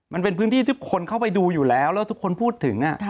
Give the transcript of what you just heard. มันเป็นพื้นที่ที่คนเข้าไปดูอยู่แล้วแล้วทุกคนพูดถึง